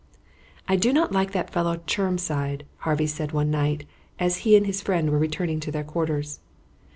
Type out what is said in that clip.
"I do not like that fellow Chermside," Harvey said one night, as he and his friend were returning to their quarters.